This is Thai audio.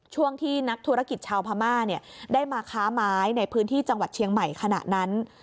ช่วงที่นักธุรกิจชาวพม่าได้มาค้าไม้ในพื้นที่จังหวัดเชียงใหม่ขณะนั้น